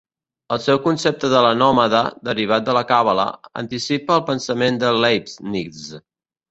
El seu concepte de la mònada, derivat de la càbala, anticipa el pensament de Leibniz.